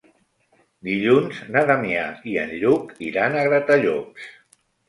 Dilluns na Damià i en Lluc iran a Gratallops.